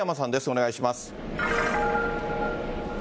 お願いします。